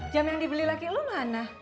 jam yang dibeli laki lu mana